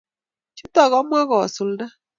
Chuto kamwa kesulda